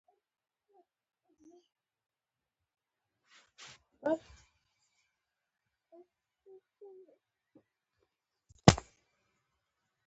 مونږ هم یو ځای پکوړې وچکچلې.